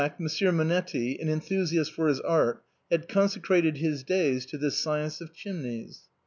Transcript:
Monsieur Monetti, an enthusiast for his art, had con secrated his days to the science of chimneys.